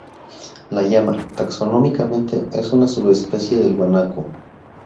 La llama, taxonómicamente, es una subespecie del guanaco.